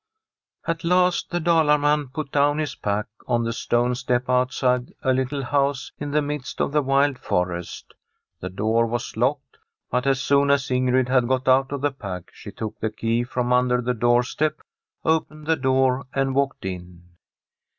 At last the Dalar man put down his pack on the stone step outside a little house in the midst of the wild forest. The door was locked, but as soon as Ingrid had got out of the pack she took the key from under the doorstep, opened the door, and walked in.